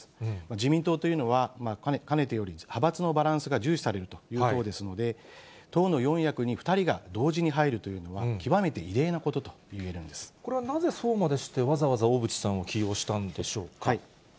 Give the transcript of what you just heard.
自民党というのはかねてより、派閥のバランスが重視されるという党ですので、党の四役に２人が同時に入るというのは、これはなぜそうまでして、わざわざ小渕さんを起用したんでしょうか。